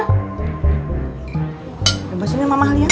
lepas ini mama lihat